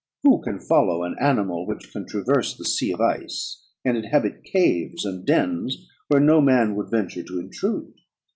Who can follow an animal which can traverse the sea of ice, and inhabit caves and dens where no man would venture to intrude?